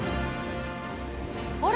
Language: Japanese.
あれ？